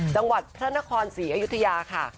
จังหวัดพระนครศรีอยุธยาค่ะ